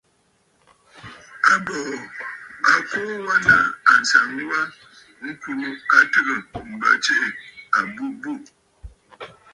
Àbòò a kuu wa nɨ̂ ànsaŋ wa ŋkurə a tɨgə̀ m̀bə tsiʼì àbûbû.